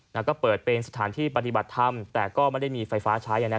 แล้วก็เปิดเป็นสถานที่ปฏิบัติธรรมแต่ก็ไม่ได้มีไฟฟ้าใช้